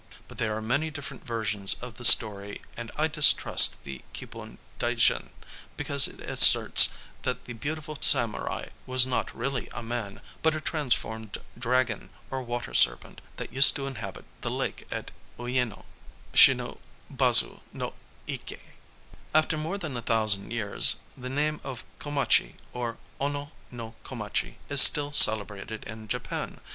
But there are many different versions of the story; and I distrust the Kibun Daijin because it asserts that the beautiful samurai was not really a man, but a transformed dragon, or water serpent, that used to inhabit the lake at Uyéno,—Shinobazu no Iké. After more than a thousand years, the name of Komachi, or Ono no Komachi, is still celebrated in Japan.